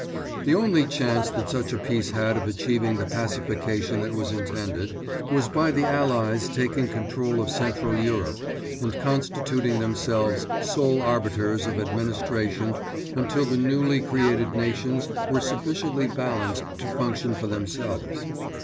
The only chance that such a Peace had of achieving the pacification that was intended, was by the Allies taking control of Central Europe and constituting themselves sole arbiters of administration until the newly created nations were sufficiently balanced to function for themselves.